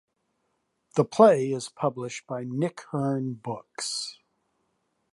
The play is published by Nick Hern Books.